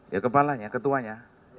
ya kepalanya ketuanya